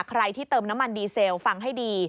ใครที่เติมน้ำมันดีเซลฟังให้ดี